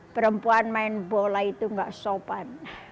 perempuan main bola itu gak sopan